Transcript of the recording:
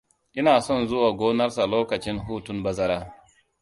Ina son zuwa gonarsa lokacin hutun bazara.